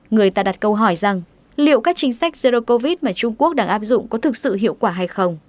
người ta đặt câu hỏi rằng liệu các chính sách zero covid mà trung quốc đang áp dụng có thực sự hiệu quả hay không